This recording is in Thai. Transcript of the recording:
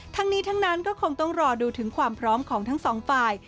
ทั้งนี้ทั้งนั้นก็คงต้องรอดูถึงความพร้อมของทั้งสองฝ่าย